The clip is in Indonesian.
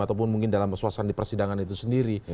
ataupun mungkin dalam suasana di persidangan itu sendiri